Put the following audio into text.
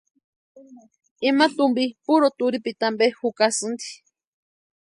Ima tumpi puru turhipiti ampe jukasïnti.